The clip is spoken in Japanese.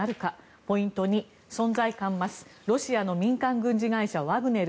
ポイント２、存在感増すロシアの民間軍事会社ワグネル。